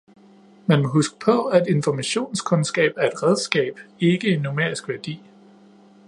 Man må huske på, at informationskundskab er et redskab, ikke en numerisk værdi.